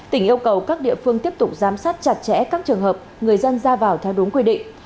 tỉnh yêu cầu các địa phương tiếp tục giám sát chặt chẽ các trường hợp người dân ra vào theo đúng quy định